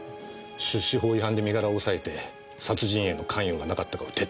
出資法違反で身柄を押さえて殺人への関与がなかったかを徹底的に。